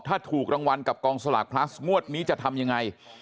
ถ้าถูกรางวัลกับกองสลากพลัสงวดนี้จะทำยังไง